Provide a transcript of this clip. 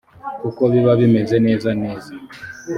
kuko biba bimeze neza neza